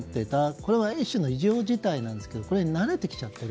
これは一種の異常事態なんですが慣れてきちゃってる。